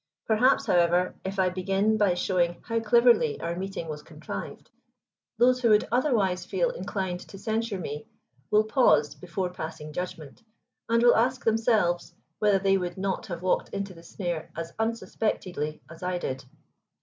Perhaps, however, if I begin by showing how cleverly our meeting was contrived, those who would otherwise feel inclined to censure me, will pause before passing judgment, and will ask themselves whether they would not have walked into the snare as unsuspectedly as I did.